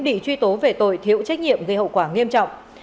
bị truy tố về tội thiếu trách nhiệm gây hậu quả nghiêm trọng